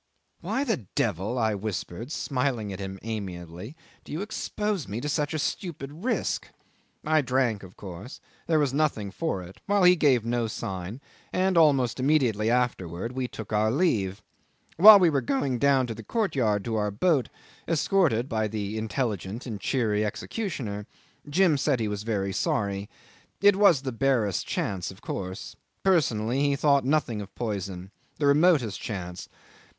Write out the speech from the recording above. "Why the devil," I whispered, smiling at him amiably, "do you expose me to such a stupid risk?" I drank, of course, there was nothing for it, while he gave no sign, and almost immediately afterwards we took our leave. While we were going down the courtyard to our boat, escorted by the intelligent and cheery executioner, Jim said he was very sorry. It was the barest chance, of course. Personally he thought nothing of poison. The remotest chance.